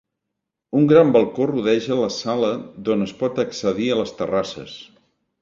Un gran balcó rodeja la sala d'on es pot accedir a les terrasses.